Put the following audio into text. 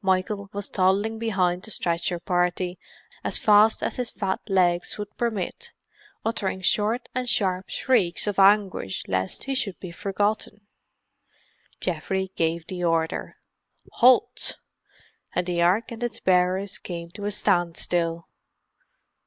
Michael was toddling behind the stretcher party as fast as his fat legs would permit, uttering short and sharp shrieks of anguish lest he should be forgotten. Geoffrey gave the order, "Halt!" and the Ark and its bearers came to a standstill.